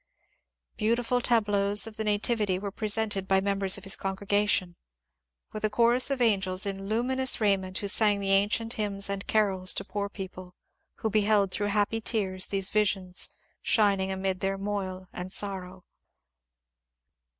Beautiful tableaux of the Nativity were presented by members of his congregation, — with a chorus of angels in luminous raiment who sang the ancient hymns and carols to poor people, who beheld through happy tears these visions shining amid their moil and sorrow.